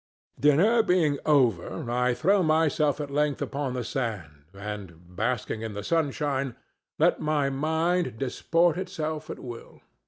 Dinner being over, I throw myself at length upon the sand and, basking in the sunshine, let my mind disport itself at will.